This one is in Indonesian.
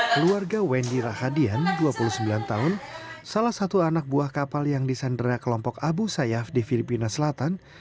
keluarga wendy rahadian dua puluh sembilan tahun salah satu anak buah kapal yang disandera kelompok abu sayyaf di filipina selatan